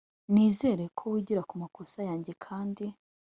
nizere ko wigira kumakosa yanjye kandi